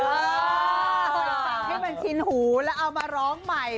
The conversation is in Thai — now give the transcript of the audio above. เคยฟังให้มันชินหูแล้วเอามาร้องใหม่